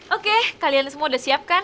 oke kalian semua udah siap kan